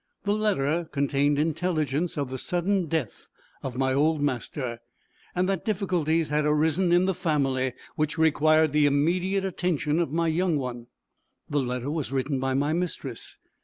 This letter contained intelligence of the sudden death of my old master, and that difficulties had arisen in the family which required the immediate attention of my young one. The letter was written by my mistress.